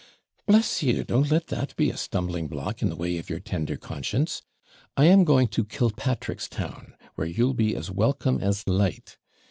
'Bless you! don't let that be a stumbling block in the way of your tender conscience. I am going to Killpatrickstown, where you'll be as welcome as light.